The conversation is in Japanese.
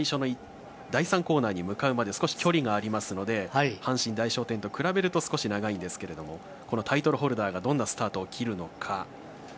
第３コーナーに向かうまで少し距離がありますので阪神大賞典と比べますと少し長いんですけれどタイトルホルダーがどんなスタートを切るのか。